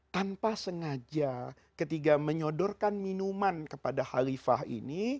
tanpa sengaja ketika menyodorkan minuman kepada halifah ini